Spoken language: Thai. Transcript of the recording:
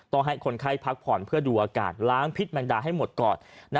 ให้คนไข้พักผ่อนเพื่อดูอากาศล้างพิษแมงดาให้หมดก่อน